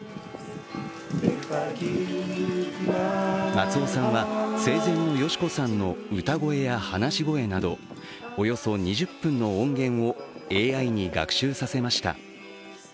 松尾さんは生前の敏子さんの歌声や話し声など、およそ２０分の音源をＡＩに学習させました。